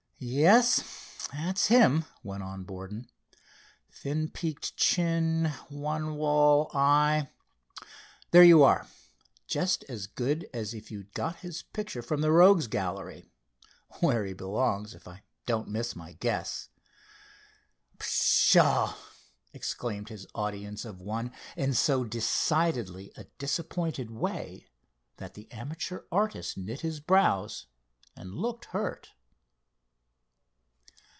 "Yes, it's him," went on Borden. "Thin, peaked chin, one wall eye. There you are! Just as good as if you'd got his picture from the rogues' gallery—where he belongs, if I don't miss my guess." "Pshaw!" exclaimed his audience of one, in so decidedly a disappointed way, that the amateur artist knit his brows, and looked hurt.